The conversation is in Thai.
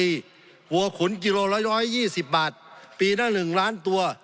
สงบจนจะตายหมดแล้วครับ